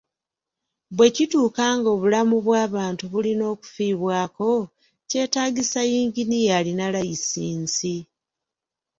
Bwe kituuka nga obulamu bw'abantu bulina okufiibwako, kyetaagisa yinginiya alina layisinsi.